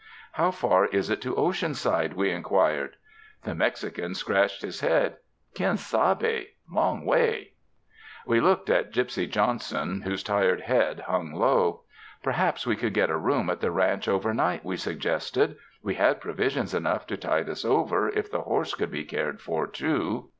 "How far is it to Oceanside?" we inquired. The Mexican scratched his head. *'Quien sahef Long way." 120 SPKiNG DAYS IN A CAiUUAGE We looked at Gypsy Jolmson, whose tired head hung low. Perhaps we could get a room at the ranch overnight, we suggested — we had provisions enough to tide us over, if the horse could be cared for, too.